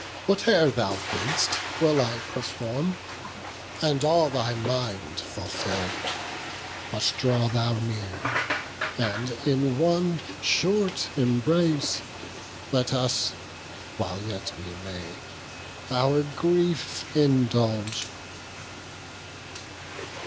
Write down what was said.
whate'er thou bidd'st Will I perform, and all thy mind fulfil; But draw thou near; and in one short embrace, Let us, while yet we may, our grief indulge."